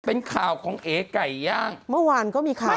มันเป็นข่าวของเอ๋ไก่ฮะ